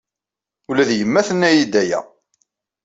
Ula d yemma tenna-iyi-d aya.